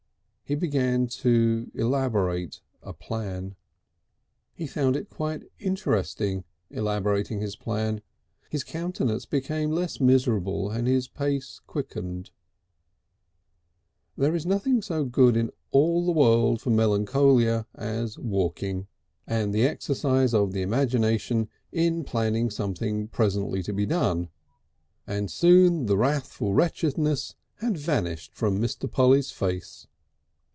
He began to elaborate a plan. He found it quite interesting elaborating his plan. His countenance became less miserable and his pace quickened. There is nothing so good in all the world for melancholia as walking, and the exercise of the imagination in planning something presently to be done, and soon the wrathful wretchedness had vanished from Mr. Polly's face.